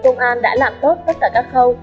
công an đã làm tốt tất cả các khâu